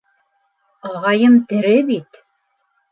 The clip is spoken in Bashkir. - Ағайым тере бит!